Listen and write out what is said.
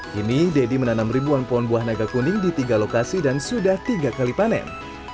kini deddy menanam ribuan pohon buah naga kuning di tiga lokasi dan sudah tiga kali panen